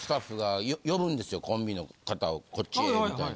コンビの方をこっちへみたいな。